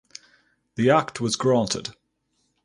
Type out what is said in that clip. The Act was granted.